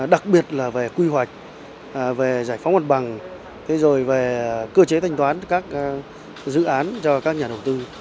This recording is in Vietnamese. đặc biệt là về quy hoạch về giải phóng hoạt bằng về cơ chế thanh toán các dự án cho các nhà đầu tư